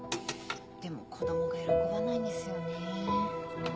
でも子供が喜ばないんですよね。